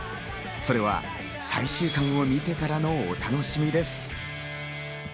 それは最終巻を見てからのお楽しみです。